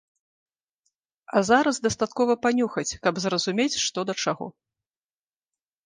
А зараз дастаткова панюхаць, каб зразумець, што да чаго.